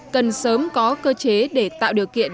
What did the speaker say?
cần sớm có cơ chế để tạo điều kiện